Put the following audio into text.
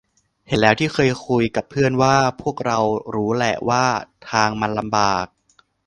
เห็นแล้วที่เคยคุยกับเพื่อนว่า พวกเรารู้แหละว่าทางมันลำบาก